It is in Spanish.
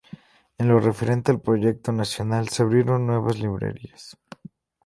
En lo referente al proyecto nacional, se abrieron nuevas librerías.